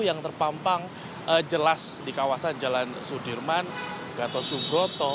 yang terpampang jelas di kawasan jalan sudirman gatot subroto